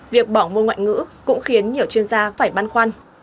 việc bỏ môn ngoại ngữ cũng khiến nhiều chuyên gia phải băn khoăn